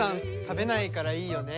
食べないからいいよね。